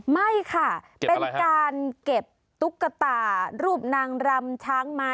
ไม่ค่ะเป็นการเก็บตุ๊กตารูปนางรำช้างมา